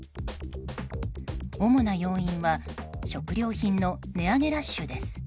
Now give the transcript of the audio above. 主な要因は食料品の値上げラッシュです。